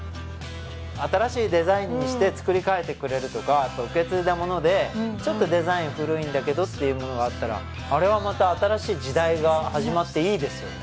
新しいデザインにして作りかえてくれるとかやっぱ受け継いだものでちょっとデザイン古いんだけどっていうものがあったらあれはまた新しい時代が始まっていいですよね